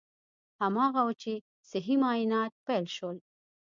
هماغه و چې صحي معاینات پیل شول.